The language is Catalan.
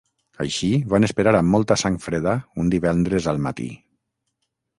Així, van esperar amb molta sang freda un divendres al matí.